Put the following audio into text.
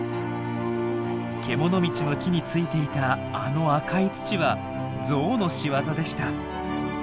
けもの道の木についていたあの赤い土はゾウのしわざでした！